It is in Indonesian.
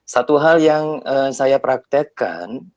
satu hal yang saya praktekkan